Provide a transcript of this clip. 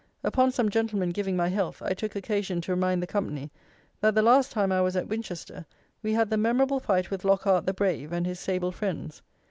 Upon some Gentleman giving my health, I took occasion to remind the company that the last time I was at Winchester we had the memorable fight with Lockhart "the Brave" and his sable friends.